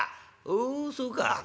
「おおそうかふん。